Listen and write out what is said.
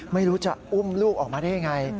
ไม่รู้จะอุ้มลูกออกมาได้ยังไง